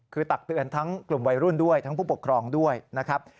คือตักเตือนทั้งกลุ่มวัยรุ่นด้วยทั้งผู้ปกครองด้วยนะครับ